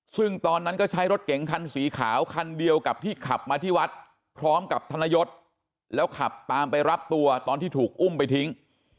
ซึ่งตอนนั้นก็ใช้รถเก๋งคันสีขาวคันเดียวกับที่ขับมาที่วัดพร้อมกับธนยศแล้วขับตามไปรับตัวตอนที่ถูกอุ้มไปทิ้ง